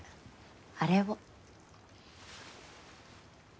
あれを。